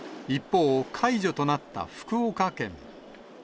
一方、解除となった福岡県。